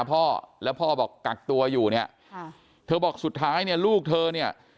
พ่อแล้วพ่อบอกกักตัวอยู่เนี่ยค่ะเธอบอกสุดท้ายเนี่ยลูกเธอเนี่ย